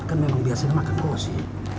kan memang biasanya makan rosi